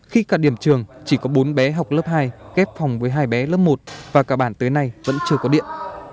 khi cả điểm trường chỉ có bốn bé học lớp hai kép phòng với hai bé lớp một và cả bản tới nay vẫn chưa có điện